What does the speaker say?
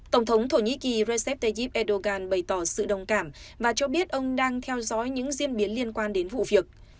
tổng thống thổ nh github bảy mươi a reisseb tayyip erdogan bày tỏ sự đồng cảm và cho biết ông đang theo dõi những diễn biến liên quan đến vụ việc